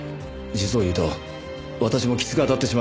実を言うと私もきつく当たってしまったんです。